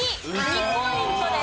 ２ポイントです。